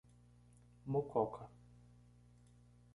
Mococa